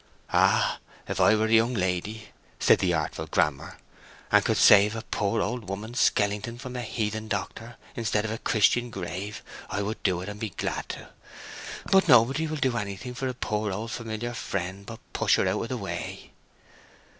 "Ah, if I were a young lady," said the artful Grammer, "and could save a poor old woman's skellington from a heathen doctor instead of a Christian grave, I would do it, and be glad to. But nobody will do anything for a poor old familiar friend but push her out of the way."